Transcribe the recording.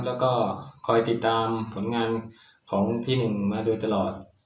แล้วก็คอยติดตามผลงานของพี่หนึ่งมาโดยตลอด